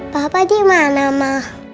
papa dimana ma